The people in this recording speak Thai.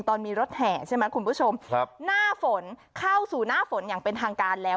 ตอนมีรถแห่ใช่ไหมคุณผู้ชมครับหน้าฝนเข้าสู่หน้าฝนอย่างเป็นทางการแล้ว